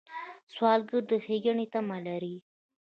سوالګر د ښېګڼې تمه لري